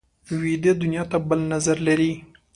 ویده دنیا ته بل نظر لري